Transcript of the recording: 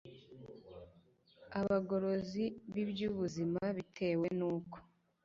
abagorozi bibyubuzima bitewe nuko